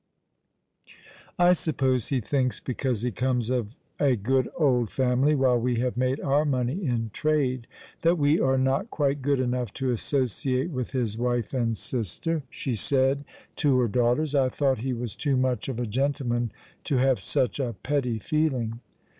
''I suppose he thinks because he comes of a good old family, while we have made our money in trade, that we are not quite good enough to associate with his wife and sister," " Of the Weak my Heart is Weakest !' 127 she said to her daughters. " I thought he was too much of a gentleman to have such a petty fcehng."